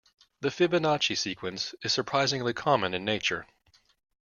The Fibonacci sequence is surprisingly common in nature.